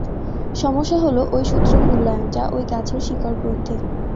সমস্যা হল ঐ সূত্র মূল্যায়ন, যা ঐ গাছের শিকড় গ্রন্থি।